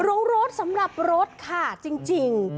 รู้รถสำหรับรถค่ะจริง